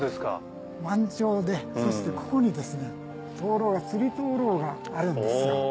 満潮でそしてここにつり灯籠があるんですよ。